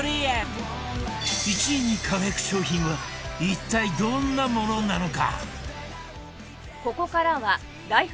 １位に輝く商品は一体どんなものなのか？